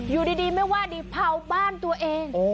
อยู่ดีไม่ว่าดีเผาบ้านตัวเอง